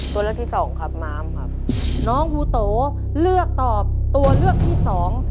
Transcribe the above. ตัวเลือกที่สองครับม้ามครับน้องฮูโตเลือกตอบตัวเลือกที่สอง